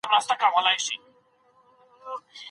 زه به ولي ځورېدلای .